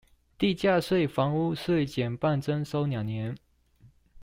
地價稅、房屋稅減半徵收兩年